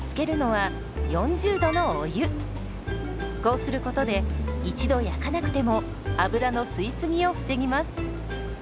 こうすることで一度焼かなくても油の吸い過ぎを防ぎます。